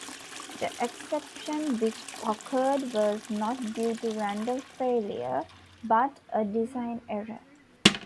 The exception which occurred was not due to random failure but a design error.